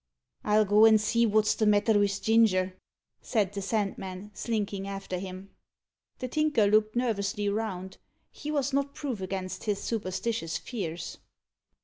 "I'll go and see wot's the matter wi' Ginger," said the Sandman, slinking after him. The Tinker looked nervously round. He was not proof against his superstitious fears.